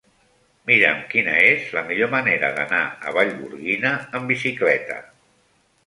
Mira'm quina és la millor manera d'anar a Vallgorguina amb bicicleta.